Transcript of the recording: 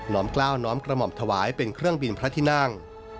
้อมกล้าวน้อมกระหม่อมถวายเป็นเครื่องบินพระที่นั่ง